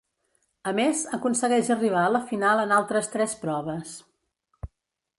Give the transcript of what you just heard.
A més, aconsegueix arribar a la final en altres tres proves.